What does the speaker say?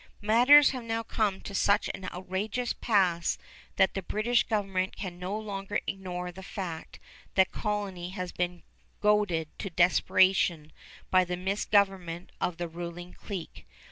Matters have now come to such an outrageous pass that the British government can no longer ignore the fact that the colony has been goaded to desperation by the misgovernment of the ruling clique.